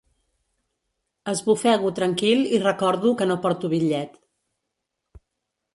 Esbufego tranquil i recordo que no porto bitllet.